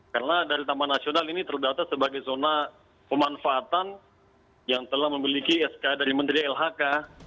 karena dari taman nasional ini terdaftar sebagai zona pemanfaatan yang telah memiliki sk dari menteri lhk